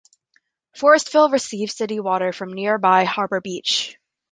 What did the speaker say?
Forestville receives city water from nearby Harbor Beach.